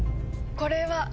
これは。